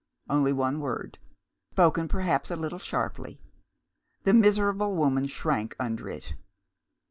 Only one word spoken perhaps a little sharply. The miserable woman shrank under it.